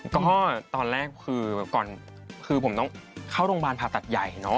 ก็ตอนแรกคือก่อนคือผมต้องเข้าโรงพยาบาลผ่าตัดใหญ่เนอะ